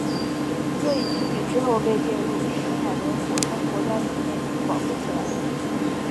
这一区域之后被列入圣海伦火山国家纪念区保护起来。